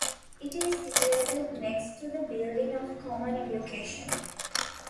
It is situated next to the Building of Common Education.